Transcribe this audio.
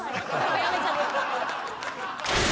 やめちゃった。